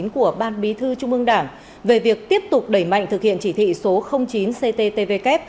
của ban bí thư trung ương đảng về việc tiếp tục đẩy mạnh thực hiện chỉ thị số chín cttvk